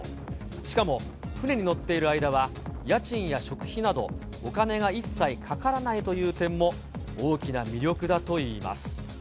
しかも船に乗っている間は、家賃や食費などお金が一切かからないという点も大きな魅力だといいます。